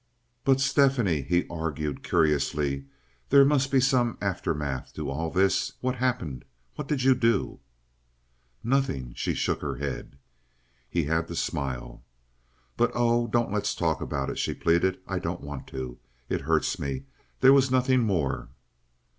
"But, Stephanie," he argued, curiously, "there must been some aftermath to all this. What happened? What did you do?" "Nothing." She shook her head. He had to smile. "But oh, don't let's talk about it!" she pleaded. "I don't want to. It hurts me. There was nothing more."